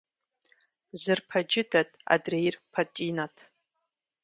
Зыр пэ джыдэт, адрейр пэтӏинэт.